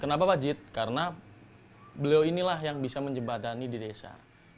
kenapa wajib karena beliau inilah yang bisa menjebadani di desa